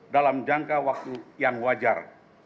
dalam jangka waktu yang wajar